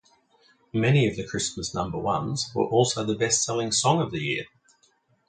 Many of the Christmas number ones were also the best-selling song of the year.